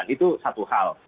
itu satu hal